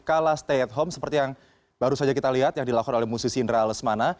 kala stay at home seperti yang baru saja kita lihat yang dilakukan oleh musisi indra lesmana